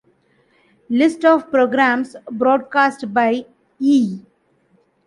List of programs broadcast by E!